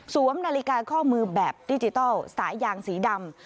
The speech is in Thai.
นาฬิกาข้อมือแบบดิจิทัลสายยางสีดำ